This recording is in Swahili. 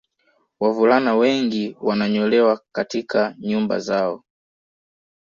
Wavulana wengi wananyolewa katika nyumba zao